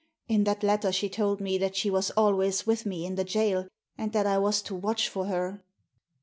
In that letter she told me that she was always with me in the jail, and that I was to watch for her."